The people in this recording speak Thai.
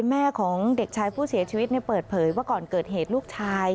แม่ของเด็กชายผู้เสียชีวิตเปิดเผยว่าก่อนเกิดเหตุลูกชาย